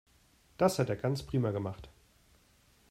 Das hat er ganz prima gemacht.